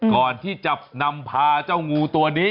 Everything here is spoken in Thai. ก่อนที่จะนำพาเจ้างูตัวนี้